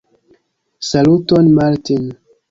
Saluton Martin!